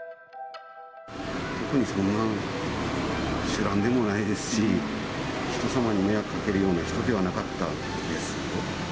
特にそんな酒乱でもないですし、ひと様に迷惑かけるような人ではなかったです。